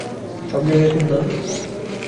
সব জায়গায় খুঁজলাম।